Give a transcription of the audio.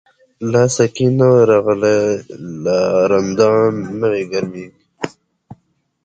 لاسا قی نوی راغلی، لا رندان نوی ګرمیږی